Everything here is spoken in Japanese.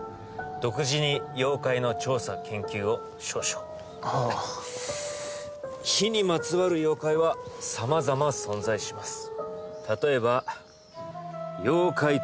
独自に妖怪の調査研究を少々はあ火にまつわる妖怪は様々存在します